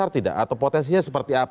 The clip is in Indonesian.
tinggal tulis dari dap